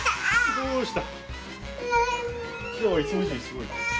どうした？